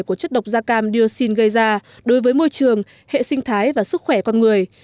của chất độc da cam dioxin gây ra đối với môi trường hệ sinh thái và sức khỏe con người